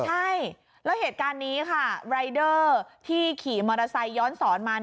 ใช่แล้วเหตุการณ์นี้ค่ะรายเดอร์ที่ขี่มอเตอร์ไซค์ย้อนสอนมา